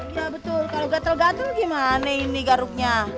ya betul kalau gatel gatel gimana ini garuknya